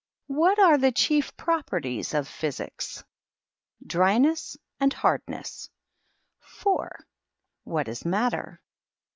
What are the chief properties of Physics ? Dryness and hardness. i. What is matter?